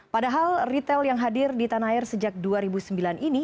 padahal retail yang hadir di tanah air sejak dua ribu sembilan ini